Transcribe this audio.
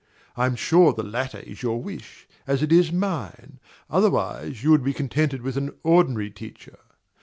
I am sure the latter is your wish, as it is mine: otherwise, you would be contented with an ordinary teacher.